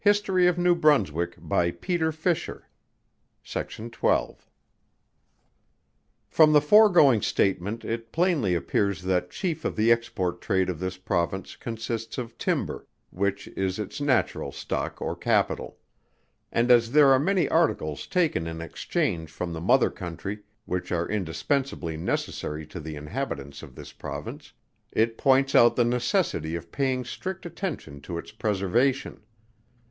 per ton. The whole value of the above Exports may be about £100,000. From the foregoing statement it plainly appears that chief of the export trade of this Province consists of timber, which is its natural stock or capital; and as there are many articles taken in exchange from the mother country, which are indispensably necessary to the inhabitants of this Province; it points out the necessity of paying strict attention to its preservation.